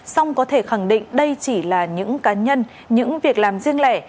xong có thể khẳng định đây chỉ là những cá nhân những việc làm riêng lẻ